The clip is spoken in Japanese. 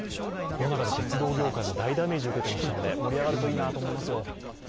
コロナ禍で鉄道業界も大ダメージを受けていましたので盛り上がるといいなと思いますよ。